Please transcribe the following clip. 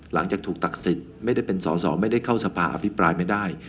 หลังจากถูกตัดสิทธิ์ไม่ได้เป็นสอสอไม่ได้เข้าสภาอภิปรายไม่ได้